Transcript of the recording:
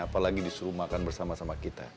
apalagi disuruh makan bersama sama kita